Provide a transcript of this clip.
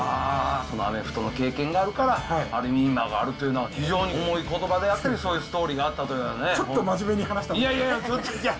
そのアメフトの経験があるから、ある意味今があるというのは、非常に重いことばであって、そういうストーリーがあったというちょっと真面目に話したんでいやいやいや。